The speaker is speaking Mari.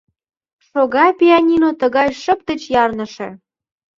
Шога пианино тыгай шып деч ярныше.